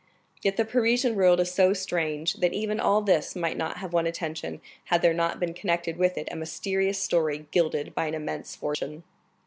Yet the Parisian world is so strange, that even all this might not have won attention had there not been connected with it a mysterious story gilded by an immense fortune.